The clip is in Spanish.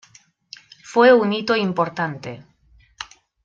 Fue un hito importante.